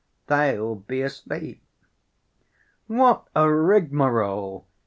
They'll be asleep." "What a rigmarole!